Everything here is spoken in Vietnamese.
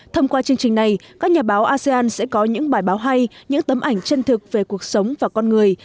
thông qua chương trình này các nhà báo asean sẽ có những bài báo hay những tấm ảnh chân thực về cuộc sống và con người